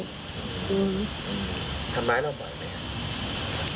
ทำร้ายเราบ่อยไหม